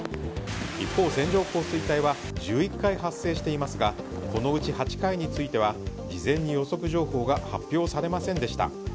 一方、線状降水帯は１１回発生していますがこのうち８回については事前に予測情報が発表されませんでした。